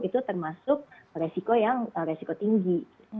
itu termasuk risiko yang risiko tinggi